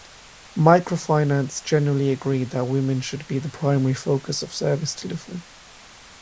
Microfinance generally agree that women should be the primary focus of service delivery.